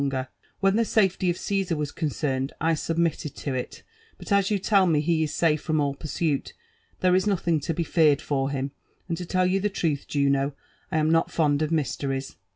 longer/ When the salety of Cesar was concerned, I submitted Co it ; but as yoq tell me he is safe from all pursuit, there is nothing to be feared for him : and to tell you (ho truth, Juno, I arti not fond of mysteries."